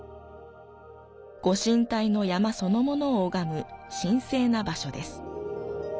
ご神体の山そのものを拝む神聖な場所です。